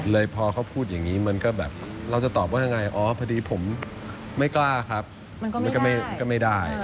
เลยพอเขาพูดอย่างนี้เราก็ตอบว่าพอดีผมไม่กล้าครับมันก็ไม่ได้